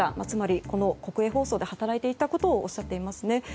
つまり国営放送で働いていたことをおっしゃっていますね。